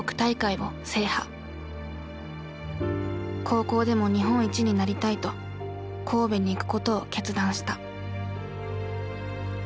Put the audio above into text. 高校でも日本一になりたいと神戸に行くことを決断した。